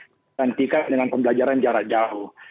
dan tingkat dengan pembelajaran jarak jauh